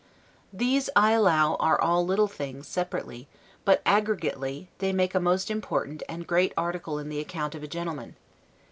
These, I allow, are all little things, separately; but aggregately, they make a most important and great article in the account of a gentleman.